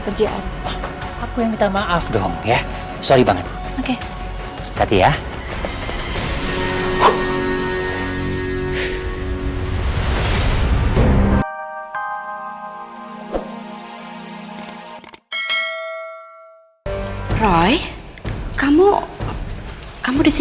terima kasih tante udah ngingetin